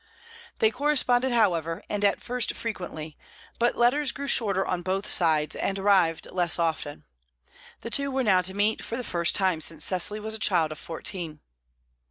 They corresponded, however, and at first frequently; but letters grew shorter on both sides, and arrived less often. The two were now to meet for the first time since Cecily was a child of fourteen.